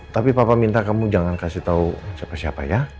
tapi papa minta kamu jangan kasih tahu siapa siapa ya